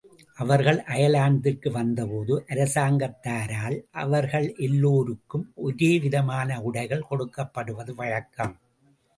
அவர்கள் அயர்லாந்திற்கு வந்தபோது அரசாங்கத்தாரால் அவர்கள் எல்லோருக்கும் ஒரே விதமான உடைகள் கொடுக்கப்படுவது வழக்கம்.